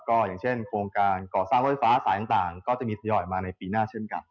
ก็อย่างเช่นโครงการก่อสร้างรถไฟฟ้าสายต่างก็จะมีทยอยมาในปีหน้าเช่นกัน